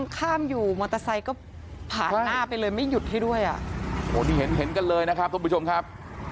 กันเลยนะครับท่านผู้ชมครับ